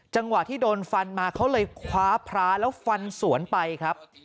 จังหวะที่โดนฟันมาเขาเลยคว้าพระแล้วฟันสวนไปครับ